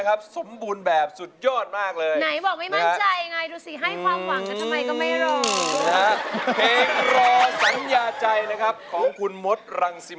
คุณร้องได้ให้ร้าง